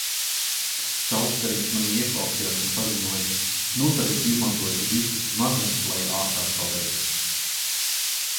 Saulstariņš manī ieklausījās un paziņoja:" Nu tad es izmantošu visas smadzenes, lai ātrāk pabeigtu."